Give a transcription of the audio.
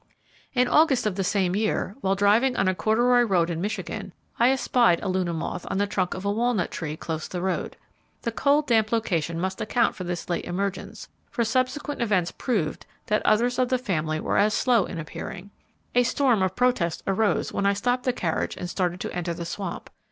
In August of the same year, while driving on a corduroy road in Michigan, I espied a Luna moth on the trunk of a walnut tree close the road. The cold damp location must account for this late emergence; for subsequent events proved that others of the family were as slow in appearing. A storm of protest arose, when I stopped the carriage and started to enter the swamp.